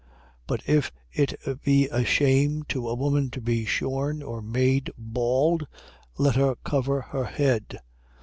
But if it be a shame to a woman to be shorn or made bald, let her cover her head.